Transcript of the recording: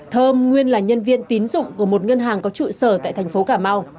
thơm nguyên là nhân viên tín dụng của một ngân hàng có trụ sở tại thành phố cà mau